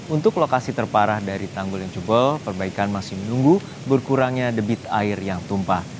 untuk lokasi terparah dari tanggul yang jebol perbaikan masih menunggu berkurangnya debit air yang tumpah